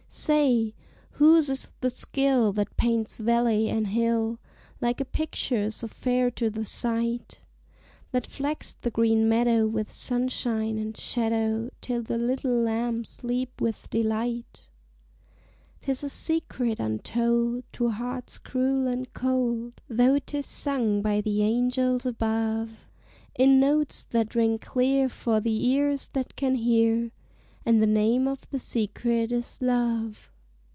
Say, whose is the skill that paints valley and hill, Like a picture so fair to the sight? That flecks the green meadow with sunshine and shadow, Till the little lambs leap with delight? 'Tis a secret untold to hearts cruel and cold, Though 'tis sung, by the angels above, In notes that ring clear for the ears that can hear And the name of the secret is Love!